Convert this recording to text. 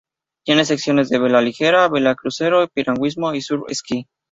Tiene secciones de vela ligera, vela de crucero, piragüismo y surf ski.